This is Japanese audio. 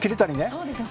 そうですね。